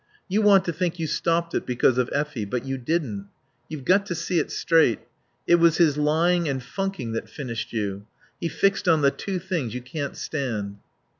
You want to think you stopped it because of Effie; but you didn't. You've got to see it straight.... It was his lying and funking that finished you. He fixed on the two things you can't stand."